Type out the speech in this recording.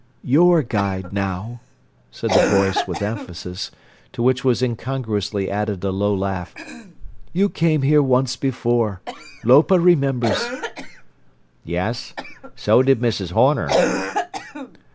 "Your guide now," said the voice with emphasis, to which was incongruously added a low laugh. "You came here once before. Lopa remembers." "Yes—so did Mrs. Horner."